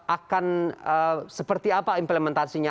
akan seperti apa implementasinya